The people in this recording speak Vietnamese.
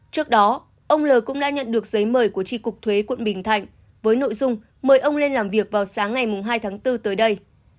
trước đó ông l cũng đã nhận được giấy mời của tri cục thuế quận bình thạnh với nội dung mời ông lên làm việc vào sáng ngày hai tháng bốn tới đây